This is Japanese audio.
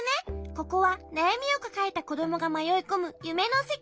ここはなやみをかかえたこどもがまよいこむゆめのせかいなの。